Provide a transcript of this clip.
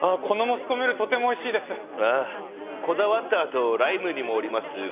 このモスコミュールとてもおいしいですああこだわったあとライムにもおります